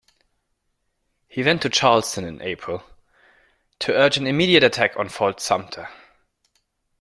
He went to Charleston in April, to urge an immediate attack on Fort Sumter.